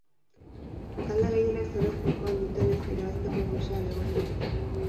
Talde gehienek zerbait jokoan dutenez irabazteko gosea areagotu egin da.